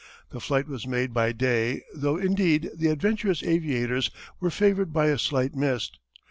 The flight was made by day though indeed the adventurous aviators were favoured by a slight mist.